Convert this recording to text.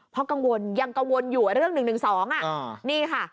เพราะกังวลยังกังวลอยู่เรื่อง๑๑๒นี่ค่ะ